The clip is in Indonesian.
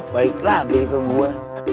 balik lagi ke gue